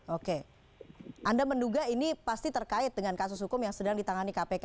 oke anda menduga ini pasti terkait dengan kasus hukum yang sedang ditangani kpk